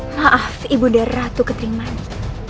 maaf ibu darah ratu ketering mani